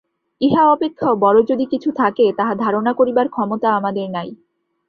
ইহা অপেক্ষাও বড় যদি কিছু থাকে, তাহা ধারণা করিবার ক্ষমতা আমাদের নাই।